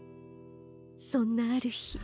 そんなあるひ。